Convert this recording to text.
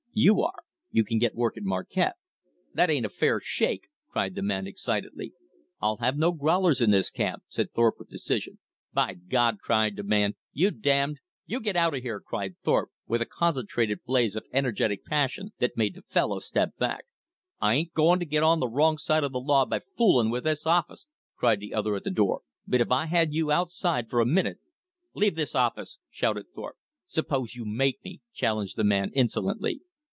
"You are. You can get work at Marquette." "That ain't a fair shake," cried the man excitedly. "I'll have no growlers in this camp," said Thorpe with decision. "By God!" cried the man, "you damned " "You get out of here!" cried Thorpe with a concentrated blaze of energetic passion that made the fellow step back. "I ain't goin' to get on the wrong side of the law by foolin' with this office," cried the other at the door, "but if I had you outside for a minute " "Leave this office!" shouted Thorpe. "S'pose you make me!" challenged the man insolently.